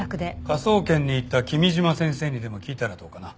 科捜研に行った君嶋先生にでも聞いたらどうかな？